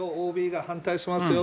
ＯＢが反対しますよ。